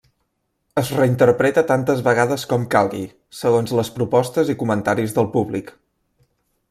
Es reinterpreta tantes vegades com calgui, segons les propostes i comentaris del públic.